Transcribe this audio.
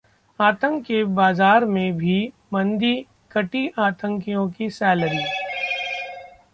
आतंक के बाजार में भी मंदी, कटी आतंकियों की सैलरी